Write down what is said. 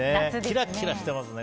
キラキラしてますね。